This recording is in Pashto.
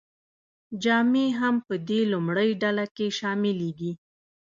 جامې هم په دې لومړۍ ډله کې شاملې دي.